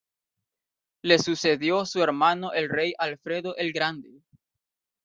Le sucedió su hermano el rey Alfredo el Grande.